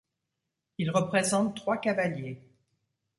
Ils représentent trois cavaliers.